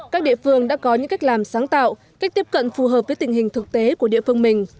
các địa phương đã có những cách làm sáng tạo cách tiếp cận phù hợp với tình hình thực tế của địa phương mình